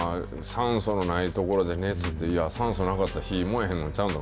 酸素のない所で熱って、いや、酸素なかったら、火燃えへんのちゃうの？